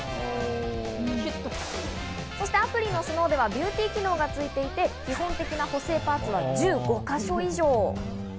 そしてアプリのＳＮＯＷではビューティー機能がついていて、基本的な補正パーツは１５か所以上。